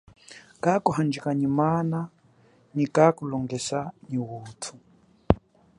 Kakuhanjika nyi mana nyi kakulongesa nyi utu.